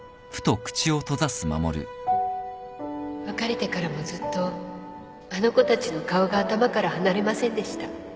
別れてからもずっとあの子たちの顔が頭から離れませんでした